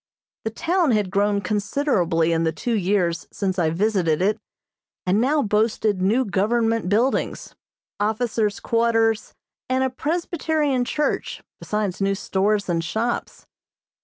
The town had grown considerably in the two years since I visited it, and now boasted new government buildings, officer's quarters, and a Presbyterian church, besides new stores and shops.